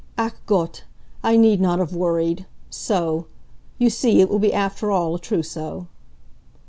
Ach Gott! I need not have worried. So! You see, it will be after all a trousseau."